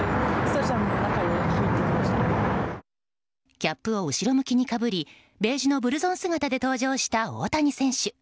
キャップを後ろ向きにかぶりベージュのブルゾン姿で登場した大谷選手。